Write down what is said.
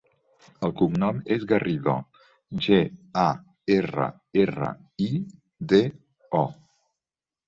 El cognom és Garrido: ge, a, erra, erra, i, de, o.